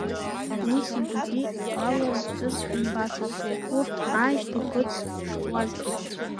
Уи сынтәатәи ала жәҵыс имбацызт, урҭ ааижьҭеи ԥыҭк шҵуазгьы.